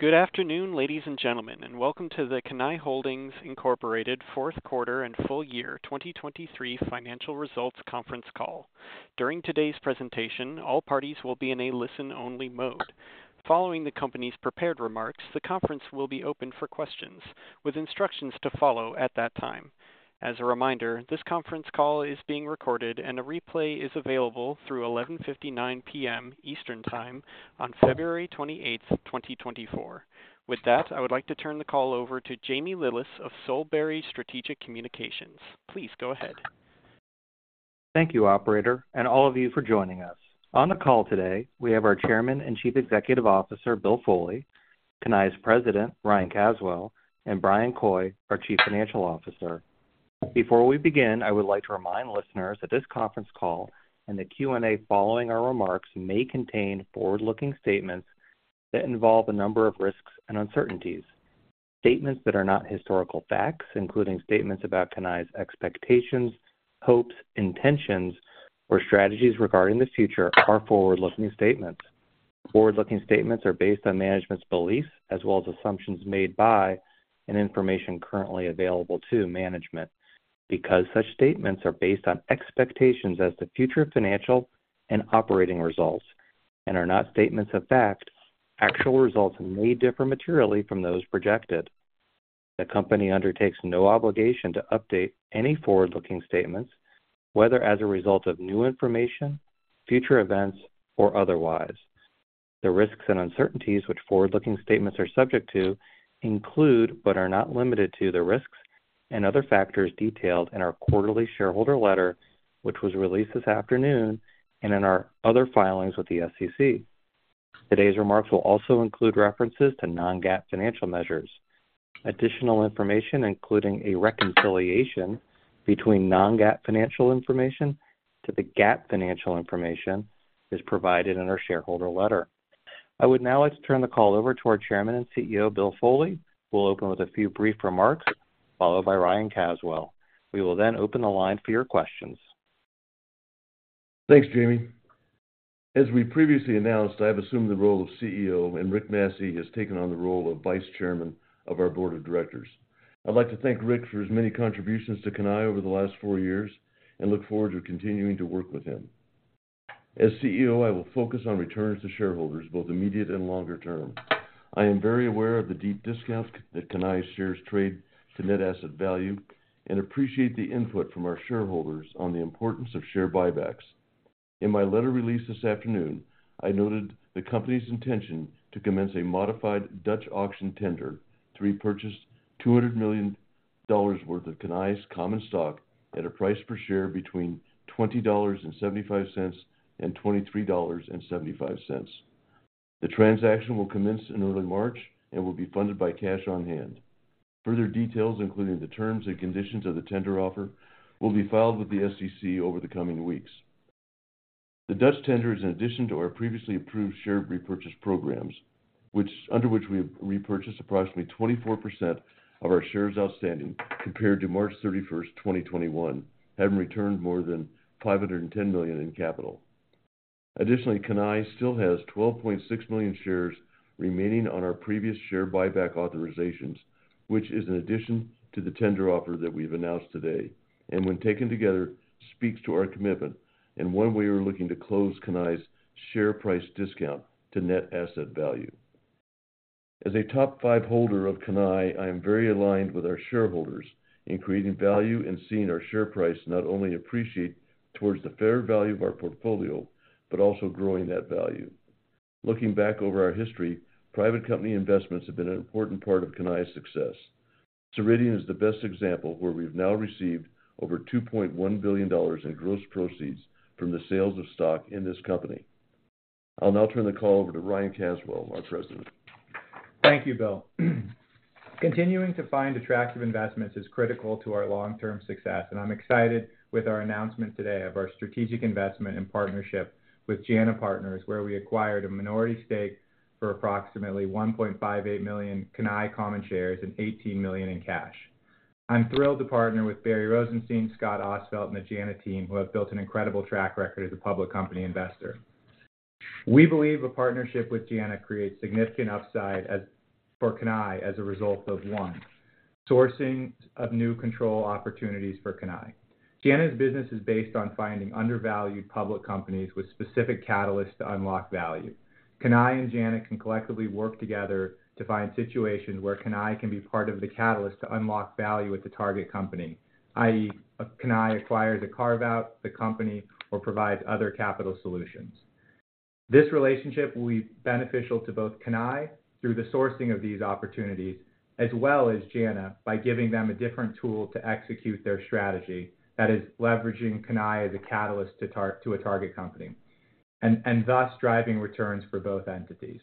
Good afternoon, ladies and gentlemen, and welcome to the Cannae Holdings Incorporated Q4 and Full Year 2023 financial results conference call. During today's presentation, all parties will be in a listen-only mode. Following the company's prepared remarks, the conference will be open for questions, with instructions to follow at that time. As a reminder, this conference call is being recorded, and a replay is available through 11:59 P.M. Eastern Time on February twenty-eighth, 2024. With that, I would like to turn the call over to Jamie Lillis of Solebury Strategic Communications. Please go ahead. Thank you, operator, and all of you for joining us. On the call today, we have our Chairman and Chief Executive Officer, Bill Foley, Cannae's President, Ryan Caswell, and Bryan Coy, our Chief Financial Officer. Before we begin, I would like to remind listeners that this conference call and the Q&A following our remarks may contain forward-looking statements that involve a number of risks and uncertainties. Statements that are not historical facts, including statements about Cannae's expectations, hopes, intentions, or strategies regarding the future, are forward-looking statements. Forward-looking statements are based on management's beliefs as well as assumptions made by and information currently available to management. Because such statements are based on expectations as to future financial and operating results and are not statements of fact, actual results may differ materially from those projected. The company undertakes no obligation to update any forward-looking statements, whether as a result of new information, future events, or otherwise. The risks and uncertainties which forward-looking statements are subject to include, but are not limited to, the risks and other factors detailed in our quarterly shareholder letter, which was released this afternoon, and in our other filings with the SEC. Today's remarks will also include references to non-GAAP financial measures. Additional information, including a reconciliation between non-GAAP financial information to the GAAP financial information, is provided in our shareholder letter. I would now like to turn the call over to our Chairman and CEO, Bill Foley, who will open with a few brief remarks, followed by Ryan Caswell. We will then open the line for your questions. Thanks, Jamie. As we previously announced, I have assumed the role of CEO, and Rick Massey has taken on the role of Vice Chairman of our board of directors. I'd like to thank Rick for his many contributions to Cannae over the last 4 years and look forward to continuing to work with him. As CEO, I will focus on returns to shareholders, both immediate and longer term. I am very aware of the deep discounts that Cannae shares trade to net asset value and appreciate the input from our shareholders on the importance of share buybacks. In my letter released this afternoon, I noted the company's intention to commence a modified Dutch auction tender to repurchase $200 million worth of Cannae's common stock at a price per share between $20.75 and 23.75. The transaction will commence in early March and will be funded by cash on hand. Further details, including the terms and conditions of the tender offer, will be filed with the SEC over the coming weeks. The Dutch tender is in addition to our previously approved share repurchase programs, under which we have repurchased approximately 24% of our shares outstanding compared to March 31st, 2021, having returned more than $510 million in capital. Additionally, Cannae still has $12.6 million shares remaining on our previous share buyback authorizations, which is an addition to the tender offer that we've announced today, and when taken together, speaks to our commitment and when we are looking to close Cannae's share price discount to net asset value. As a top five holder of Cannae, I am very aligned with our shareholders in creating value and seeing our share price not only appreciate towards the fair value of our portfolio, but also growing that value. Looking back over our history, private company investments have been an important part of Cannae's success. Ceridian is the best example, where we've now received over $2.1 billion in gross proceeds from the sales of stock in this company. I'll now turn the call over to Ryan Caswell, our president. Thank you, Bill. Continuing to find attractive investments is critical to our long-term success, and I'm excited with our announcement today of our strategic investment and partnership with JANA Partners, where we acquired a minority stake for approximately $1.58 million Cannae common shares and $18 million in cash. I'm thrilled to partner with Barry Rosenstein, Scott Ostfeld, and the JANA team, who have built an incredible track record as a public company investor. We believe a partnership with JANA creates significant upside as—for Cannae as a result of, one, sourcing of new control opportunities for Cannae. JANA's business is based on finding undervalued public companies with specific catalysts to unlock value. Cannae and JANA can collectively work together to find situations where Cannae can be part of the catalyst to unlock value at the target company, i.e., Cannae acquires a carve-out, the company, or provides other capital solutions. This relationship will be beneficial to both Cannae through the sourcing of these opportunities, as well as JANA, by giving them a different tool to execute their strategy. That is, leveraging Cannae as a catalyst to a target company, and thus, driving returns for both entities.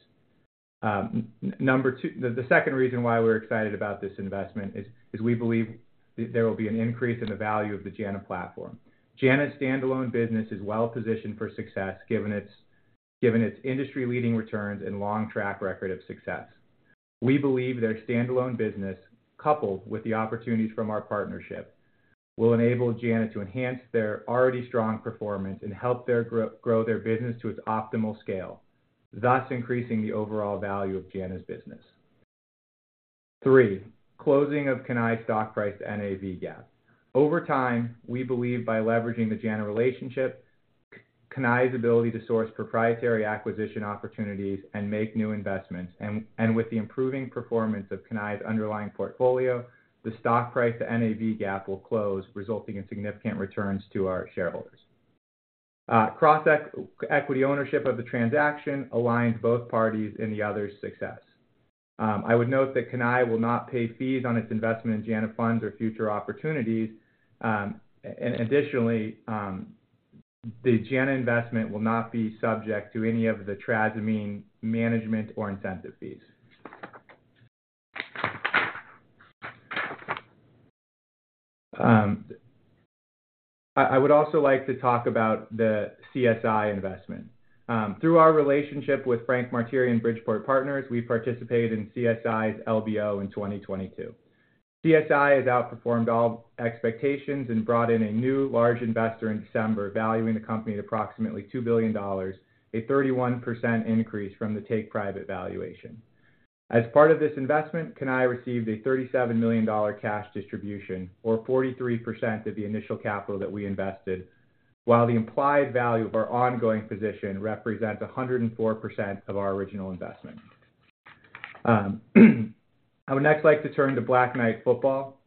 Number two... The second reason why we're excited about this investment is we believe there will be an increase in the value of the JANA platform. JANA's standalone business is well-positioned for success, given its industry-leading returns and long track record of success. We believe their standalone business, coupled with the opportunities from our partnership-... will enable JANA to enhance their already strong performance and help them grow their business to its optimal scale, thus increasing the overall value of JANA's business. Three, closing of Cannae stock price to NAV gap. Over time, we believe by leveraging the JANA relationship, Cannae's ability to source proprietary acquisition opportunities and make new investments, and with the improving performance of Cannae's underlying portfolio, the stock price to NAV gap will close, resulting in significant returns to our shareholders. Cross equity ownership of the transaction aligns both parties in the other's success. I would note that Cannae will not pay fees on its investment in JANA funds or future opportunities. And additionally, the JANA investment will not be subject to any of the Trasimene management or incentive fees. I would also like to talk about the CSI investment. Through our relationship with Frank Martire and Bridgeport Partners, we participated in CSI's LBO in 2022. CSI has outperformed all expectations and brought in a new large investor in December, valuing the company at approximately $2 billion, a 31% increase from the take-private valuation. As part of this investment, Cannae received a $37 million cash distribution, or 43% of the initial capital that we invested, while the implied value of our ongoing position represents a 104% of our original investment. I would next like to turn to Black Knight Football.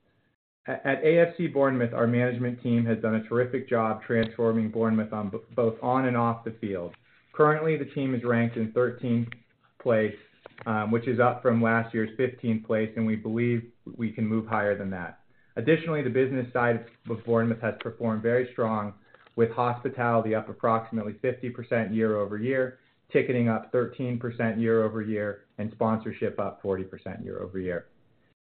At AFC Bournemouth, our management team has done a terrific job transforming Bournemouth on both on and off the field. Currently, the team is ranked in 13th place, which is up from last year's 15th place, and we believe we can move higher than that. Additionally, the business side of Bournemouth has performed very strong, with hospitality up approximately 50% year-over-year, ticketing up 13% year-over-year, and sponsorship up 40% year-over-year.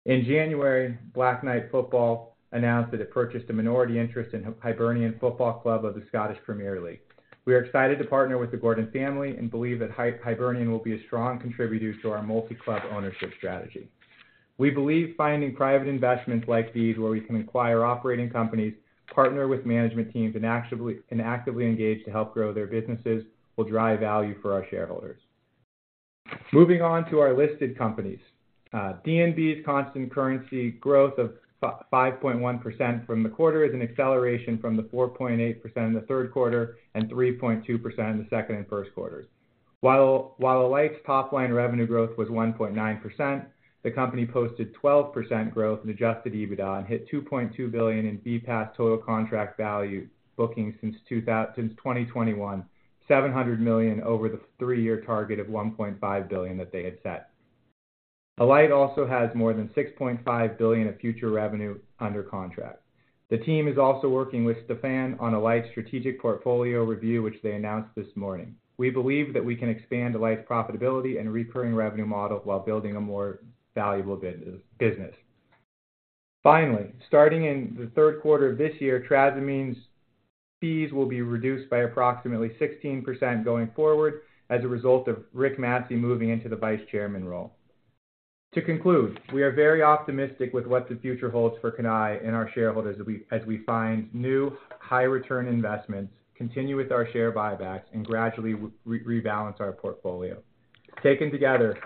In January, Black Knight Football announced that it purchased a minority interest in Hibernian Football Club of the Scottish Premier League. We are excited to partner with the Gordon family and believe that Hibernian will be a strong contributor to our multi-club ownership strategy. We believe finding private investments like these, where we can acquire operating companies, partner with management teams, and actively engage to help grow their businesses, will drive value for our shareholders. Moving on to our listed companies. DNB's constant currency growth of 5.1% from the quarter is an acceleration from the 4.8% in the Q3 and 3.2% in the second and Q1. While Alight's top-line revenue growth was 1.9%, the company posted 12% growth in adjusted EBITDA and hit $2.2 billion in BPaaS total contract value booking since 2021, $700 million over the three-year target of $1.5 billion that they had set. Alight also has more than $6.5 billion of future revenue under contract. The team is also working with Stephan on Alight's strategic portfolio review, which they announced this morning. We believe that we can expand Alight's profitability and recurring revenue model while building a more valuable business. Finally, starting in the Q3 of this year, Trasimene's fees will be reduced by approximately 16% going forward as a result of Rick Massey moving into the vice chairman role. To conclude, we are very optimistic with what the future holds for Cannae and our shareholders as we find new high-return investments, continue with our share buybacks, and gradually rebalance our portfolio. Taken together,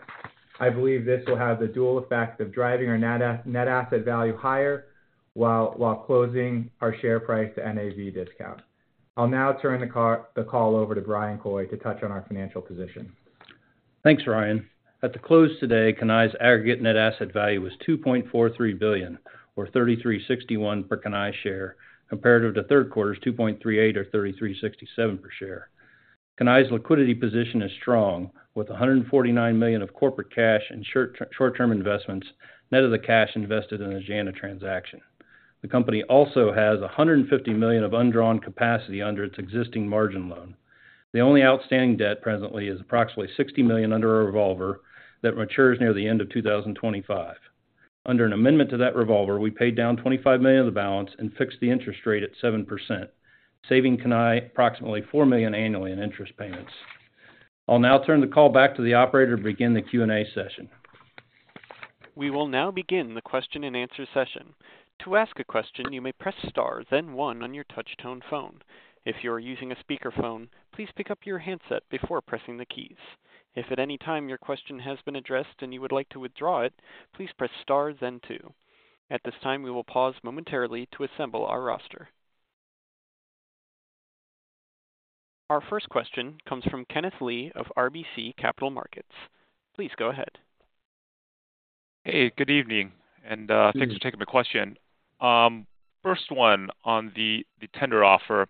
I believe this will have the dual effect of driving our net asset value higher, while closing our share price to NAV discount. I'll now turn the call over to Bryan Coy to touch on our financial position. Thanks, Ryan. At the close today, Cannae's aggregate net asset value was $2.43 billion or $33.61 per Cannae share, comparative to Q3 $2.38 or $33.67 per share. Cannae's liquidity position is strong, with $149 million of corporate cash and short-term investments, net of the cash invested in the JANA transaction. The company also has $150 million of undrawn capacity under its existing margin loan. The only outstanding debt presently is approximately $60 million under a revolver that matures near the end of 2025. Under an amendment to that revolver, we paid down $25 million of the balance and fixed the interest rate at 7%, saving Cannae approximately $4 million annually in interest payments. I'll now turn the call back to the operator to begin the Q&A session. We will now begin the question-and-answer session. To ask a question, you may press star, then one on your touchtone phone. If you are using a speakerphone, please pick up your handset before pressing the keys. If at any time your question has been addressed and you would like to withdraw it, please press star, then two. At this time, we will pause momentarily to assemble our roster. Our first question comes from Kenneth Lee of RBC Capital Markets. Please go ahead. Hey, good evening, and Good evening... thanks for taking the question. First one, on the, the tender offer,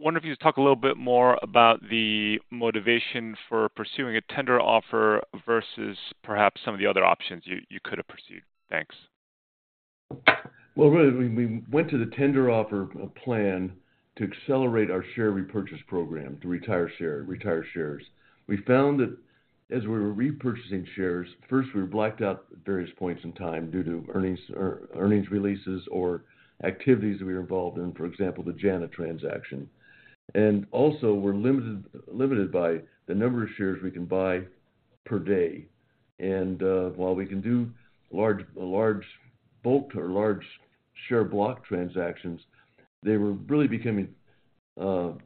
I wonder if you could talk a little bit more about the motivation for pursuing a tender offer versus perhaps some of the other options you, you could have pursued? Thanks. Well, really, we went to the tender offer plan to accelerate our share repurchase program, to retire shares. We found that as we were repurchasing shares, first, we were blacked out at various points in time due to earnings releases or activities we were involved in, for example, the JANA transaction. And also, we're limited by the number of shares we can buy per day. And, while we can do large bulk or large share block transactions, they were really becoming few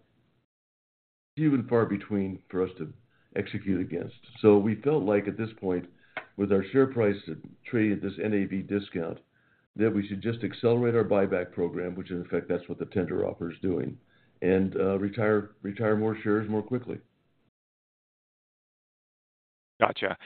and far between for us to execute against. So we felt like, at this point, with our share price trading at this NAV discount, that we should just accelerate our buyback program, which in effect, that's what the tender offer is doing, and retire more shares more quickly. Gotcha.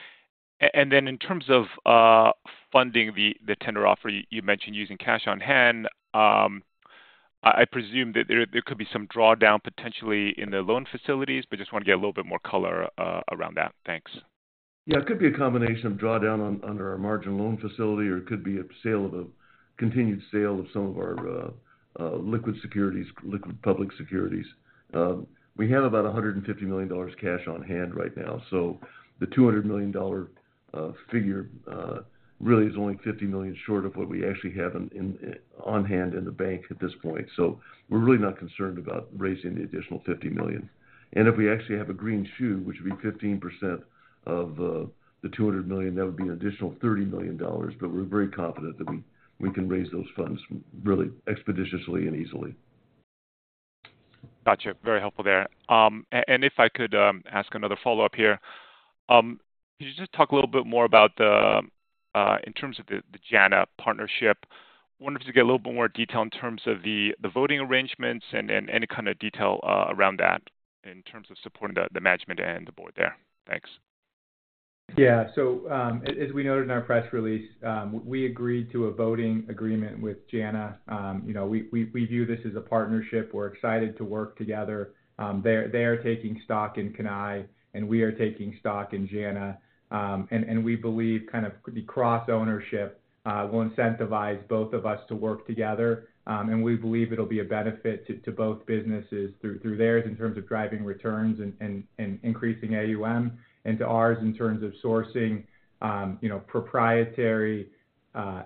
And then in terms of funding the tender offer, you mentioned using cash on hand. I presume that there could be some drawdown potentially in the loan facilities, but just want to get a little bit more color around that. Thanks. Yeah, it could be a combination of drawdown under our margin loan facility, or it could be a sale of a continued sale of some of our liquid securities, liquid public securities. We have about $150 million cash on hand right now, so the $200 million figure really is only $50 million short of what we actually have in on-hand in the bank at this point. So we're really not concerned about raising the additional $50 million. If we actually have a green shoe, which would be 15% of the $200 million, that would be an additional $30 million, but we're very confident that we can raise those funds really expeditiously and easily. Gotcha. Very helpful there. And if I could ask another follow-up here. Could you just talk a little bit more about the... In terms of the JANA partnership, I wanted to get a little bit more detail in terms of the voting arrangements and any kind of detail around that in terms of supporting the management and the board there. Thanks. Yeah. So, as we noted in our press release, we agreed to a voting agreement with JANA. You know, we view this as a partnership. We're excited to work together. They're taking stock in Cannae, and we are taking stock in JANA. And we believe the cross-ownership will incentivize both of us to work together. And we believe it'll be a benefit to both businesses through theirs, in terms of driving returns and increasing AUM, and to ours in terms of sourcing, you know, proprietary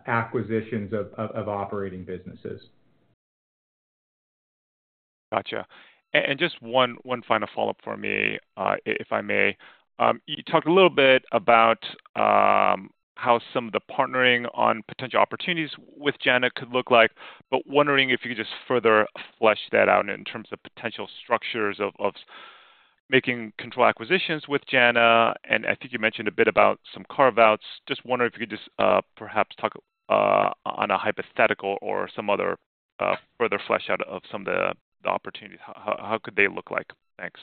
acquisitions of operating businesses. Gotcha. And just one final follow-up for me, if I may. You talked a little bit about how some of the partnering on potential opportunities with JANA could look like, but wondering if you could just further flesh that out in terms of potential structures of making control acquisitions with JANA. And I think you mentioned a bit about some carve-outs. Just wondering if you could just perhaps talk on a hypothetical or some other further flesh out of some of the opportunities. How could they look like? Thanks.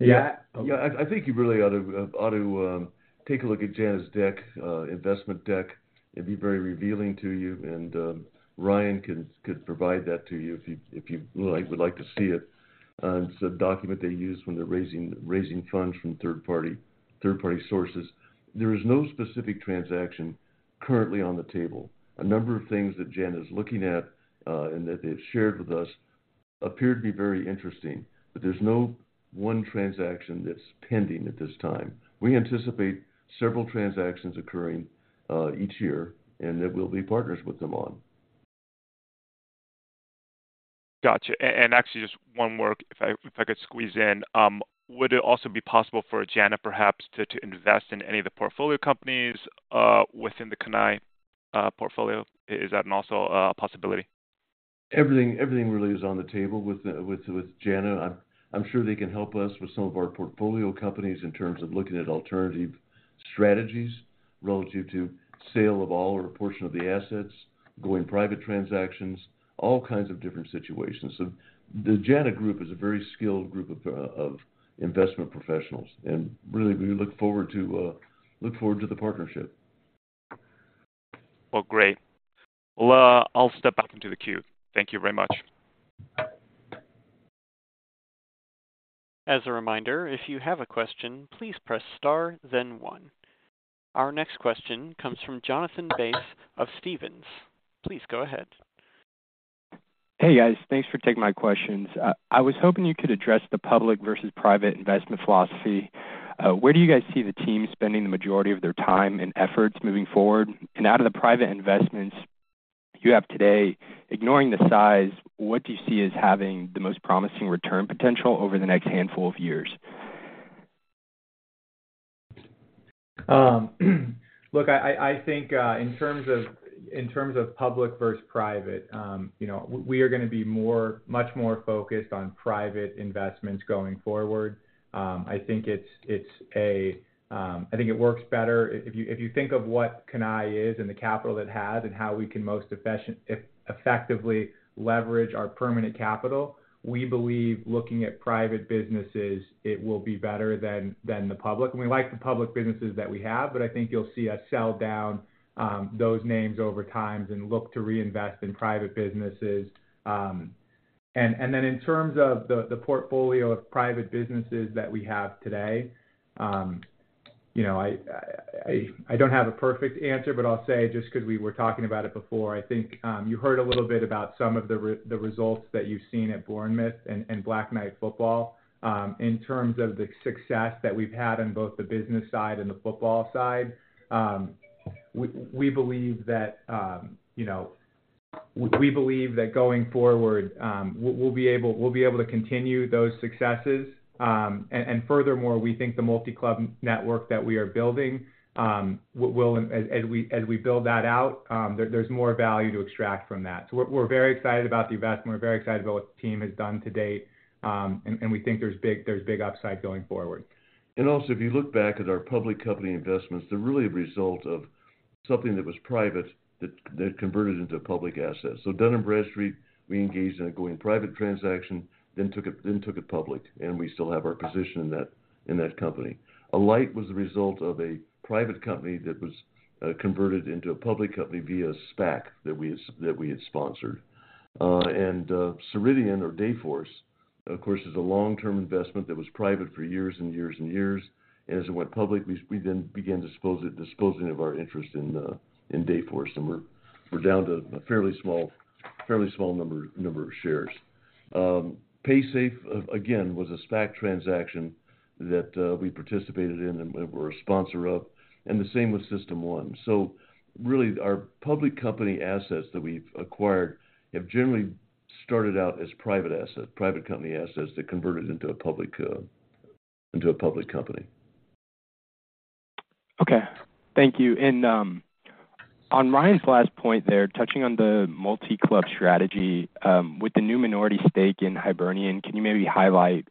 Yeah. Yeah, I think you really ought to take a look at JANA's deck, investment deck. It'd be very revealing to you, and Ryan could provide that to you if you would like to see it. It's a document they use when they're raising funds from third-party sources. There is no specific transaction currently on the table. A number of things that JANA is looking at, and that they've shared with us appear to be very interesting, but there's no one transaction that's pending at this time. We anticipate several transactions occurring each year, and that we'll be partners with them on. Gotcha. And actually, just one more, if I could squeeze in. Would it also be possible for JANA perhaps to invest in any of the portfolio companies within the Cannae portfolio? Is that an also possibility? Everything, everything really is on the table with JANA. I'm sure they can help us with some of our portfolio companies in terms of looking at alternative strategies relative to sale of all or a portion of the assets, going private transactions, all kinds of different situations. So the JANA group is a very skilled group of investment professionals, and really, we look forward to the partnership. Well, great. Well, I'll step out into the queue. Thank you very much. As a reminder, if you have a question, please press Star, then One. Our next question comes from Jonathan Bass of Stephens. Please go ahead. Hey, guys. Thanks for taking my questions. I was hoping you could address the public versus private investment philosophy. Where do you guys see the team spending the majority of their time and efforts moving forward? Out of the private investments you have today, ignoring the size, what do you see as having the most promising return potential over the next handful of years? Look, I think in terms of public versus private, you know, we are gonna be much more focused on private investments going forward. I think it's a, I think it works better. If you think of what Cannae is and the capital it has, and how we can most effectively leverage our permanent capital, we believe looking at private businesses, it will be better than the public. And we like the public businesses that we have, but I think you'll see us sell down those names over time and look to reinvest in private businesses. And then in terms of the portfolio of private businesses that we have today, you know, I don't have a perfect answer, but I'll say, just because we were talking about it before, I think you heard a little bit about some of the results that you've seen at Bournemouth and Black Knight Football. In terms of the success that we've had in both the business side and the football side, we believe that you know. We believe that going forward, we'll be able to continue those successes. And furthermore, we think the multi-club network that we are building will—as we build that out, there's more value to extract from that. So we're very excited about the investment. We're very excited about what the team has done to date, and we think there's big upside going forward. Also, if you look back at our public company investments, they're really a result of something that was private that converted into a public asset. So Dun & Bradstreet, we engaged in a going private transaction, then took it public, and we still have our position in that company. Alight was the result of a private company that was converted into a public company via SPAC that we had sponsored. And Ceridian or Dayforce, of course, is a long-term investment that was private for years and years and years. And as it went public, we then began disposing of our interest in Dayforce, and we're down to a fairly small number of shares. Paysafe, again, was a SPAC transaction that we participated in and we're a sponsor of, and the same with System1. So really, our public company assets that we've acquired have generally started out as private assets, private company assets that converted into a public, into a public company. Okay, thank you. On Ryan's last point there, touching on the multi-club strategy, with the new minority stake in Hibernian, can you maybe highlight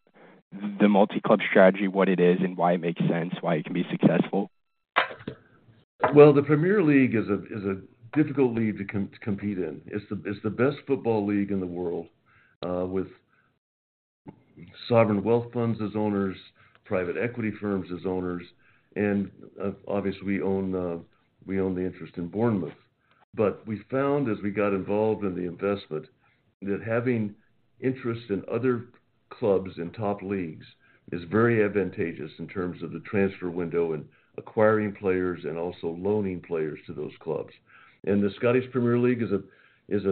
the multi-club strategy, what it is, and why it makes sense, why it can be successful? Well, the Premier League is a difficult league to compete in. It's the best football league in the world, with sovereign wealth funds as owners, private equity firms as owners, and obviously, we own the interest in Bournemouth. But we found, as we got involved in the investment, that having interest in other clubs in top leagues is very advantageous in terms of the transfer window and acquiring players, and also loaning players to those clubs. The Scottish Premier League is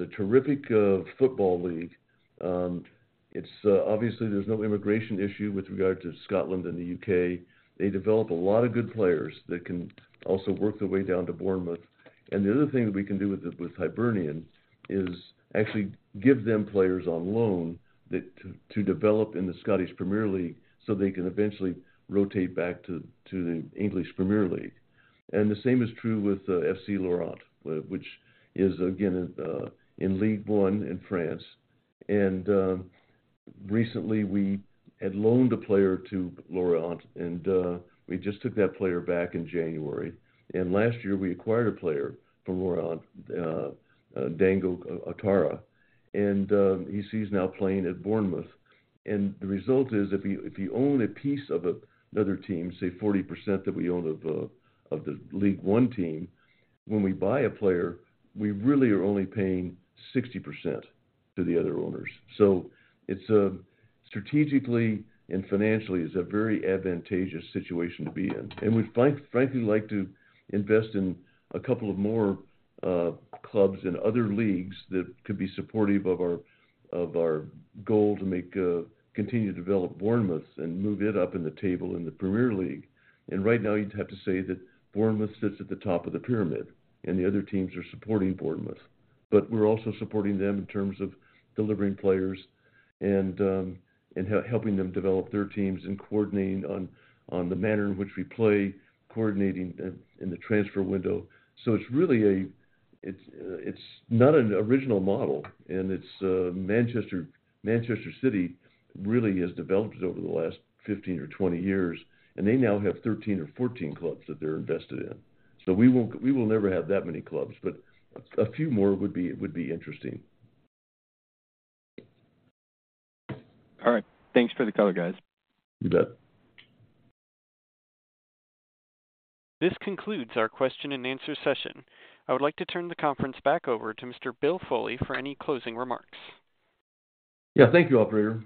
a terrific football league. It's obviously there's no immigration issue with regard to Scotland and the U.K. They develop a lot of good players that can also work their way down to Bournemouth. And the other thing that we can do with Hibernian is actually give them players on loan that to develop in the Scottish Premier League so they can eventually rotate back to the English Premier League. And the same is true with FC Lorient, which is, again, in Ligue 1 in France. And recently, we had loaned a player to Lorient, and we just took that player back in January. And last year, we acquired a player from Lorient, Dango Ouattara, and he's now playing at Bournemouth. And the result is, if you own a piece of another team, say, 40% that we own of the Ligue 1 team, when we buy a player, we really are only paying 60% to the other owners. So it's strategically and financially a very advantageous situation to be in. And we'd frankly like to invest in a couple of more clubs in other leagues that could be supportive of our goal to continue to develop Bournemouth and move it up in the table in the Premier League. And right now, you'd have to say that Bournemouth sits at the top of the pyramid, and the other teams are supporting Bournemouth. But we're also supporting them in terms of delivering players and helping them develop their teams and coordinating on the manner in which we play, coordinating in the transfer window. So it's really a... It's, it's not an original model, and it's Manchester, Manchester City really has developed it over the last 15 or 20 years, and they now have 13 or 14 clubs that they're invested in. So we won't, we will never have that many clubs, but a few more would be interesting. All right. Thanks for the color, guys. You bet. This concludes our question and answer session. I would like to turn the conference back over to Mr. Bill Foley for any closing remarks. Yeah, thank you, operator.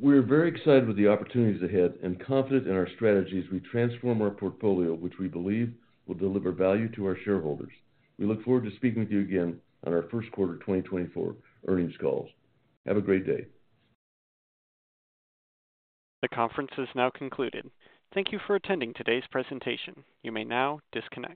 We're very excited with the opportunities ahead and confident in our strategy as we transform our portfolio, which we believe will deliver value to our shareholders. We look forward to speaking with you again on our Q1 2024 earnings calls. Have a great day. The conference is now concluded. Thank you for attending today's presentation. You may now disconnect.